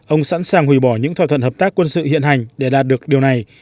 ông sẵn sàng hủy bỏ những thỏa thuận hợp tác quân sự hiện hành để đạt được điều này